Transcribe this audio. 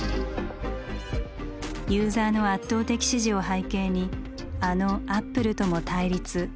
ユーザーの圧倒的支持を背景にあのアップルとも対立。